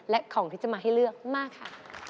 และของที่จะมาให้เลือกมากค่ะ